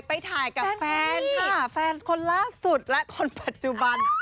ไปถ่ายกับแฟนค่ะแฟนคนล่าสุดและคนปัจจุบัน